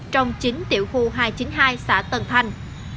trong chính tiểu khu hai trăm chín mươi hai xã tân thanh